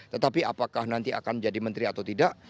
tetapi apakah nanti akan menjadi menteri atau tidak